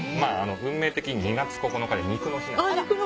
運命的に２月９日で肉の日なんですよ。